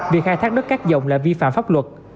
việc khai thác đất cát dòng là vi phạm pháp luật